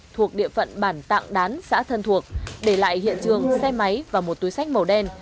thuộc địa phận bản tạng đán xã thân thuộc để lại hiện trường xe máy và một túi sách màu đen